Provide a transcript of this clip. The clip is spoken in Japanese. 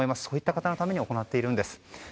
そういった方のために行っているんです。